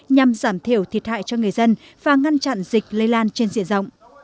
nhằm giảm thiểu thiệt hại cho người dân và ngăn chặn dịch lây lan trên diện rộng